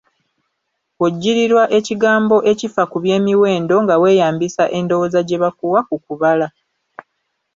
Bw'ojjirirwa ekigambo ekifa ku by'emiwendo, nga weeyambisa endowooza gye bakuwa ku kubala.